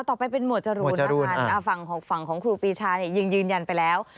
ต่อไปเป็นหมวดจรูนนะคะฝั่งของครูปีชายังยืนยันไปแล้ว